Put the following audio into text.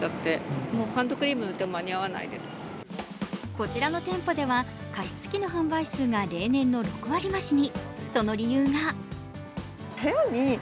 こちらの店舗では加湿器の販売数が例年の６割増に。